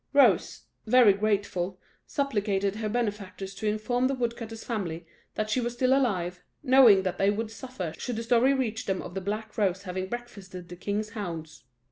Rose, very grateful, supplicated her benefactress to inform the woodcutter's family that she was still alive, knowing what they would suffer should the story reach them of the black Rose having breakfasted the king's hounds.